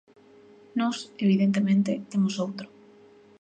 Nós, evidentemente, temos outro.